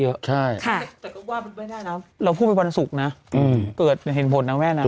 แต่ก็ว่ามันไม่ได้นะเราพูดไปวันศุกร์นะเกิดเห็นผลนะแม่นะ